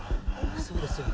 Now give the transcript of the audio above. そうですよ。